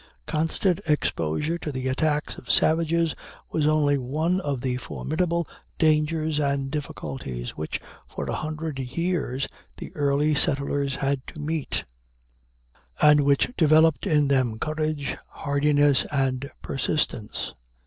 Constant exposure to the attacks of savages was only one of the formidable dangers and difficulties which for a hundred years the early settlers had to meet, and which developed in them courage, hardiness, and persistence.